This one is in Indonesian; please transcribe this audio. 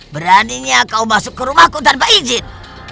beraninya kau masuk ke rumahku tanpa izin